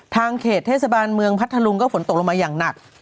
ทางเขตเทศบาลเมืองพัทธลุงก็ฝนตกลงมาอย่างหนัก